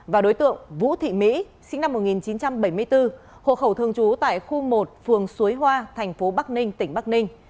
và đối tượng vũ thị mỹ sinh năm một nghìn chín trăm bảy mươi bốn hộ khẩu thường trú tại khu một phường suối hoa thành phố bắc ninh tỉnh bắc ninh